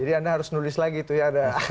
jadi anda harus nulis lagi tuh ya ada